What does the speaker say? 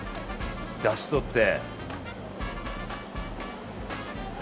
だしとって。